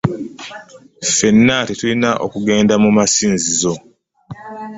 Ffena tulina okugenda mu masinzizo.